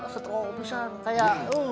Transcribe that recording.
seteru bisa nih kayak